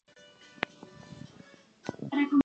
Se encuentra en Sulawesi e Islas Molucas.